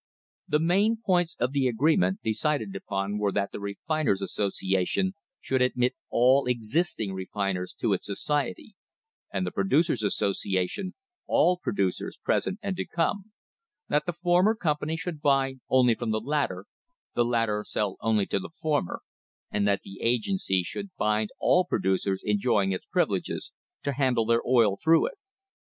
The main points of the agreement decided upon were, that the Refiners' Association should admit all existing refiners to its society, and the Producers' Association all producers present and to come — that the former company should buy only of the latter, the latter sell only to the former, and that the agency should bind all producers enjoying its privileges to handle their oil through it.